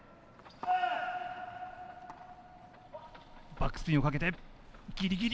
バックスピンをかけてぎりぎり。